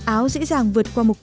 áo dễ dàng vượt qua mục tiêu